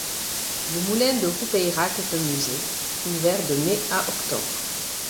Le Moulin de Roupeyrac est un musée, ouvert de mai à octobre.